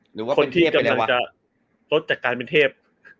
หรือว่าคนที่กำลังจะลดจากการเป็นเทพ